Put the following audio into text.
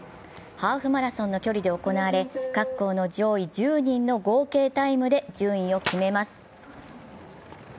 ハーフマラソンの距離で行われ各校の上位１０人の合計タイムで順位を決めます。